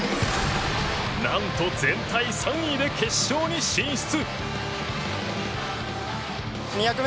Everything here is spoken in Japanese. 何と全体３位で決勝に進出。